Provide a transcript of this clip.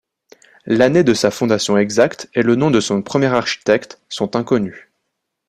L'année de sa fondation exacte et le nom de son premier architecte sont inconnus.